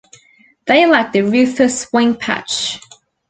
They lack the rufous wing patch.